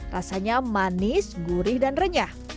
rasanya manis gurih dan renyah